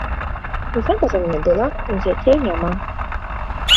Замужам не была, дзяцей няма.